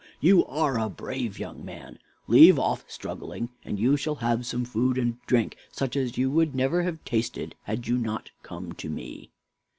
you are a brave young man! Leave off struggling, and you shall have some food and drink, such as you would never have tasted had you not come to me."